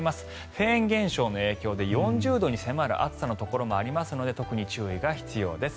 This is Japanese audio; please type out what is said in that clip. フェーン現象の影響で４０度に迫る暑さのところもありますので特に注意が必要です。